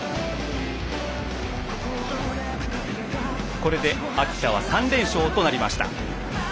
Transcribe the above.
これで秋田は３連勝となりました。